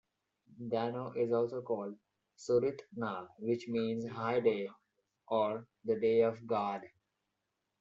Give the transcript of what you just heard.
Dano is also called Surit-nal, which means "high day" or "the day of god".